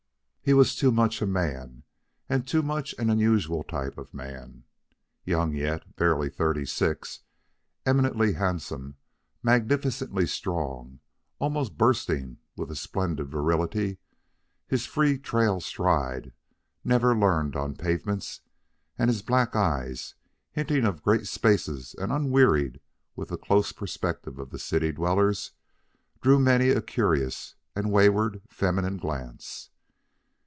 He was too much a man, and too much an unusual type of man. Young yet, barely thirty six, eminently handsome, magnificently strong, almost bursting with a splendid virility, his free trail stride, never learned on pavements, and his black eyes, hinting of great spaces and unwearied with the close perspective of the city dwellers, drew many a curious and wayward feminine glance.